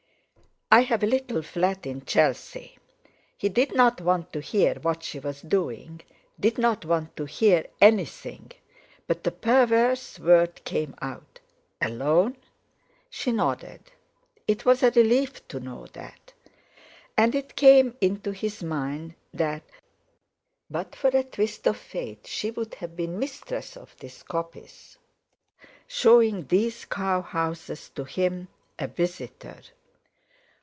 "I have a little flat in Chelsea." He did not want to hear what she was doing, did not want to hear anything; but the perverse word came out: "Alone?" She nodded. It was a relief to know that. And it came into his mind that, but for a twist of fate, she would have been mistress of this coppice, showing these cow houses to him, a visitor.